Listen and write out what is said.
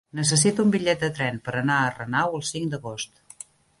Necessito un bitllet de tren per anar a Renau el cinc d'agost.